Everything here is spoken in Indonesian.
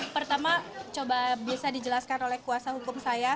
pertama coba bisa dijelaskan oleh kuasa hukum saya